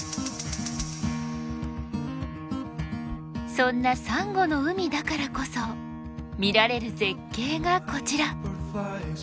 そんなサンゴの海だからこそ見られる絶景がこちら。